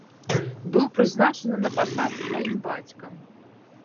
Быў прызначаны на пасад сваім бацькам.